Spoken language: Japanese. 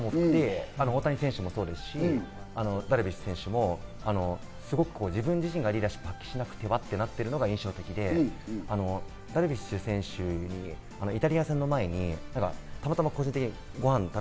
大谷選手もそうですし、ダルビッシュ選手も、すごく自分自身がリーダーシップを発揮しなきゃと頑張っていたのが印象的で、ダルビッシュ選手にイタリア戦の前にたまたま個人的にご飯を食べ